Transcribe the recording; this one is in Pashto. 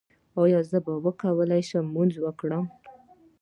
ایا زه به وکولی شم لمونځ وکړم؟